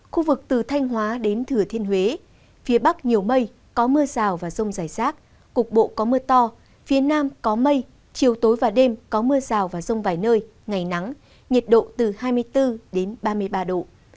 khu vực từ thanh hóa đến thừa thiên huế phía bắc nhiều mây có mưa rào và rông rải rác cục bộ có mưa to phía nam có mây chiều tối và đêm có mưa rào và rông vài nơi ngày nắng nhiệt độ từ hai mươi bốn ba mươi ba độ